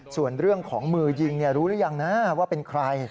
ส่วนเรื่องของมือยิงรู้หรือยังนะว่าเป็นใคร